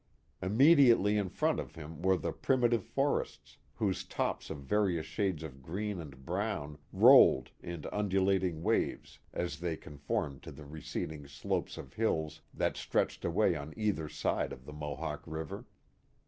Immedi ately in front of him were the primitive forests, whose tops of various shades of green and brown rolled in undulating waves as they conformed to the receding slopes of hills that stretched away on either side of the Mohawk River.